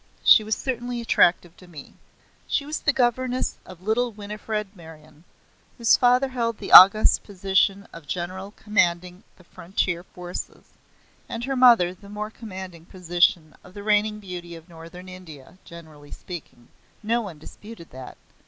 She was certainly attractive to me. She was the governess of little Winifred Meryon, whose father held the august position of General Commanding the Frontier Forces, and her mother the more commanding position of the reigning beauty of Northern India, generally speaking. No one disputed that.